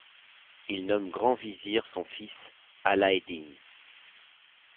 Il nomme grand vizir son fils Alaeddin.